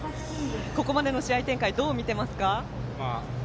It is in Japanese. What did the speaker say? ここまでの試合展開どう見ていますか？